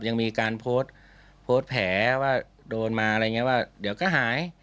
ยังมีการโพสต์โพสต์แผลว่าโดนมาอะไรอย่างนี้ว่าเดี๋ยวก็หาย